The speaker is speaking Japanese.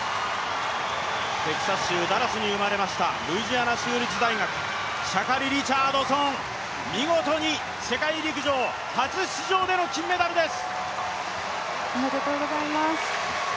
テキサス州ダラスに生まれました、ルイジアナ州立大学、シャカリ・リチャードソン、見事に世界陸上初出場での金メダルです！おめでとうございます。